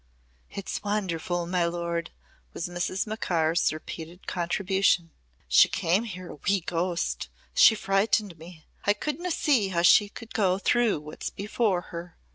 "It's wonderful, my lord!" was Mrs. Macaur's repeated contribution. "She came here a wee ghost. She frighted me. I couldna see how she could go through what's before her.